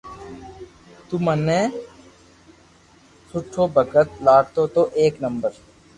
تو تي مني سٺو ڀگت لاگتو تو ايڪ نمبر